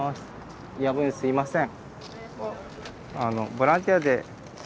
夜分すいません。